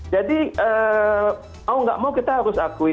jadi oh nggak mau kita harus akui